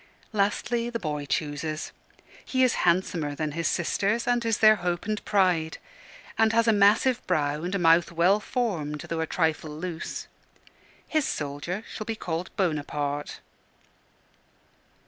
Lastly the boy chooses. He is handsomer than his sisters, and is their hope and pride; and has a massive brow and a mouth well formed though a trifle loose. His soldier shall be called Bonaparte.